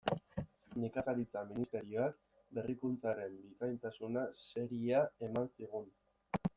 Nekazaritza Ministerioak Berrikuntzaren bikaintasuna saria eman zigun.